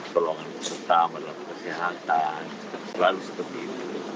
tolongan peserta menelan kesehatan selalu seperti itu